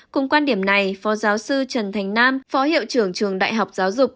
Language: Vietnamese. cùng quan điểm này phó giáo sư trần thành nam phó hiệu trưởng trường đại học giáo dục